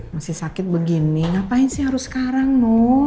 masih sakit begini ngapain sih harus sekarang no